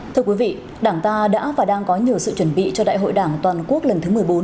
thưa quý vị đảng ta đã và đang có nhiều sự chuẩn bị cho đại hội đảng toàn quốc lần thứ một mươi bốn